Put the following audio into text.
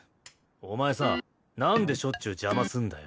お前さなんでしょっちゅう邪魔すんだよ。